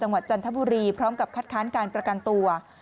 จันทบุรีพร้อมกับคัดค้านการประกันตัว